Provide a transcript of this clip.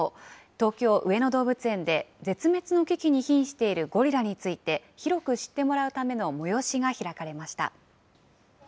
東京・上野動物園で、絶滅の危機にひんしているゴリラについて、広く知ってもらうための催しが開かれました。